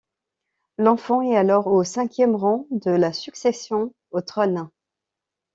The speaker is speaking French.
L'enfant est alors au cinquième rang de la succession au trône.